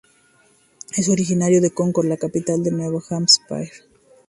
Es originario de Concord, la capital de Nuevo Hampshire.